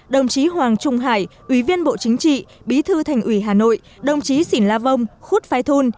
đồng chí hoàng trung hải ủy viên bộ chính trị bí thư thành ủy hà nội đồng chí xỉn la vong khúc phai thun